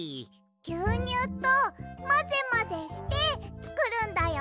ぎゅうにゅうとまぜまぜしてつくるんだよ。